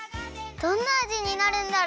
どんなあじになるんだろう？